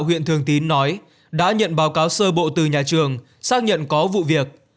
huyện thường tín nói đã nhận báo cáo sơ bộ từ nhà trường xác nhận có vụ việc